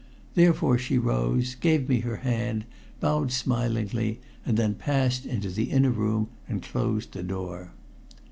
Therefore she rose, gave me her hand, bowed smilingly, and then passed into the inner room and closed the door.